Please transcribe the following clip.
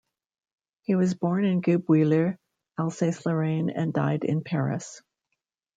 He was born in Guebwiller, Alsace-Lorraine, and died in Paris.